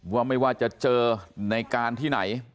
ว่าไม่ว่าจะเจอในการที่ไหน